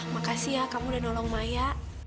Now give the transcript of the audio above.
makasih ya kamu udah nolong maya